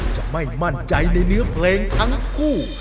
จะไม่มั่นใจในเนื้อเพลงทั้งคู่